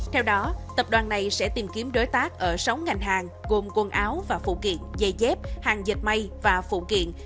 theo đó tập đoàn này sẽ tìm kiếm đối tác ở sáu ngành hàng gồm quần áo và phụ kiện dây dép hàng dạch mây và phụ kiện